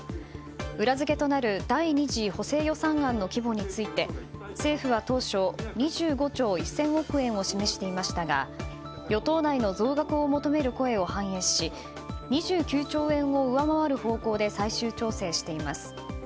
裏付けとなる第２次補正予算案の規模について政府は当初２５兆１０００億円を示していましたが与党内の増額を求める声を反映し２９兆円を上回る方向で最終調整しています。